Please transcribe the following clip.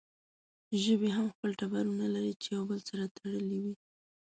ژبې هم خپل ټبرونه لري چې يو بل سره تړلې وي